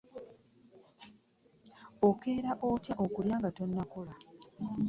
Okeera otya okulya nga tonnakola?